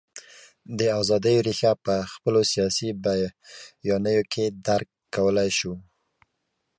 د ازادیو رېښه په خپلو سیاسي بیانیو کې درک کولای شو.